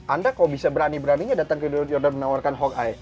anda kok bisa berani beraninya datang ke daut chino yordan menawarkan hawkeye